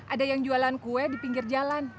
ada yang jualan kue di pinggir jalan